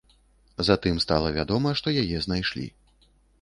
Затым стала вядома, што яе знайшлі.